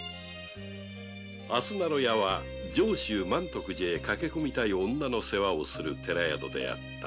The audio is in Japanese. あすなろ屋は上州満徳寺へかけ込みたい女の世話をする寺宿であった